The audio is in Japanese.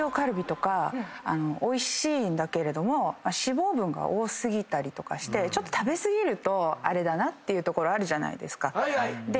おいしいんだけれども脂肪分が多過ぎたりとかして食べ過ぎるとあれだなってところあるじゃないですか。